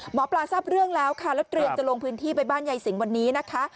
หมอปลาทราบเรื่องแล้วค่ะแล้วเตรียมจะลงพื้นที่ไปบ้านยายสิงห์วันนี้นะคะ